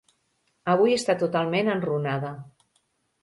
Avui està totalment enrunada.